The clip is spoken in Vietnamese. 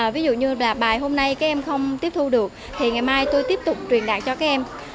ví dụ như là bài hôm nay các em không tiếp thu được thì ngày mai tôi tiếp tục truyền đạt cho các em